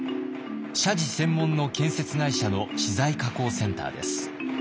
社寺専門の建設会社の資材加工センターです。